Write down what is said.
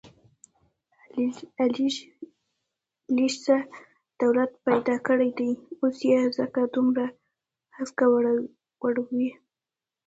علي لږ څه دولت پیدا کړی دی، اوس یې ځکه دومره هسکه وړوي...